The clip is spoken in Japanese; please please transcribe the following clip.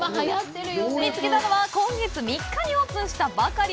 見つけたのは今月３日にオープンしたばかり。